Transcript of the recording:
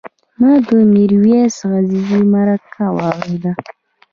ما د میرویس عزیزي مرکه واورېده.